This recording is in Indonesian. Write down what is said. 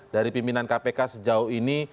dari pimpinan kpk sejauh ini